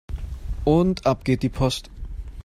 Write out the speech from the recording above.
Und ab geht die Post!